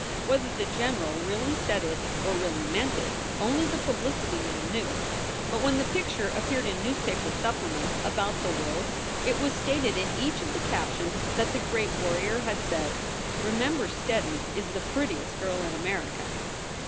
Whether the general really said it or really meant it, only the publicity man knew, but when the picture appeared in newspaper supplements about the world it was stated in each of the captions that the great warrior had said, "Remem ber Steddon is the prettiest girl in America."